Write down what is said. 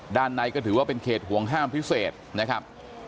ด้านในก็ถือว่าเป็นเขตห่วงห้ามพิเศษนะครับ